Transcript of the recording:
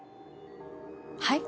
はい？